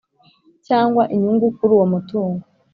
Cyangwa inyungu kuri uwo mutungo